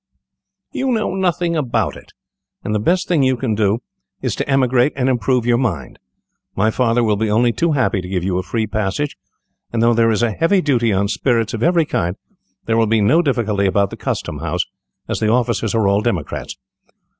"You know nothing about it, and the best thing you can do is to emigrate and improve your mind. My father will be only too happy to give you a free passage, and though there is a heavy duty on spirits of every kind, there will be no difficulty about the Custom House, as the officers are all Democrats.